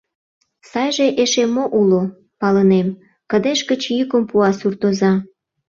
— Сайже эше мо уло, палынем, — кыдеж гыч йӱкым пуа суртоза.